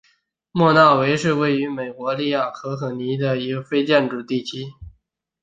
莫纳维是位于美国亚利桑那州可可尼诺县的一个非建制地区。